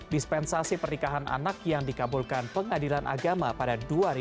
dispensasi pernikahan anak yang dikabulkan pengadilan agama pada dua ribu dua puluh